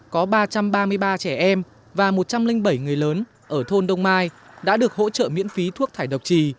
có ba trăm ba mươi ba trẻ em và một trăm linh bảy người lớn ở thôn đông mai đã được hỗ trợ miễn phí thuốc thải độc trì